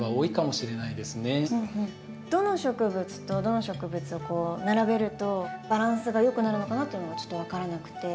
どの植物とどの植物を並べるとバランスがよくなるのかなっていうのがちょっと分からなくて。